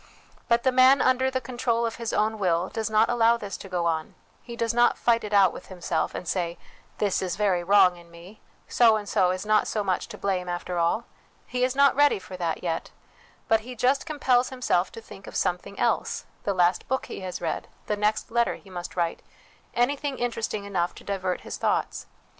But the man under the control of his own will does not allow this to go on : he does not fight it out with himself, and say, ' This is very wrong in me. So and so is not so much to blame, after all. He is not ready for that yet ; but he just compels himself to think of something else the last book he has read, the next letter he must write, anything interesting enough to divert his thoughts.